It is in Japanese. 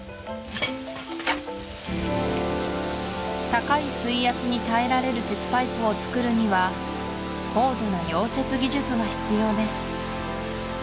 高い水圧に耐えられる鉄パイプを作るには高度な溶接技術が必要です